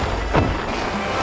aku akan menghina kau